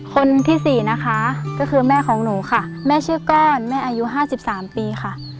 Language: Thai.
คนที่๔นะคะก็คือแม่ของหนูค่ะแม่ชื่อก้อนแม่อายุ๕๓ปีค่ะ